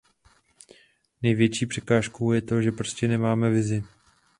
Největší překážkou je to, že prostě nemáme vizi.